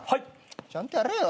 ちゃんとやれよ。